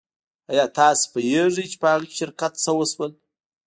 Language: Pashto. ایا تاسو پوهیږئ چې په هغه شرکت څه شول